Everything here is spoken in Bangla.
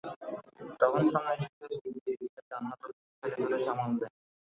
তখন সামনে ঝুঁকে বুক দিয়ে রিকশার ডান হাতলটি ঠেলে ধরে সামাল দেন।